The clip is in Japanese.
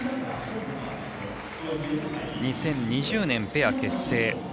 ２０２０年、ペア結成。